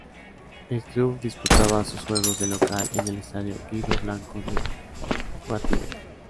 El club disputaba sus juegos de local en el estadio Guido Blanco de Guatire.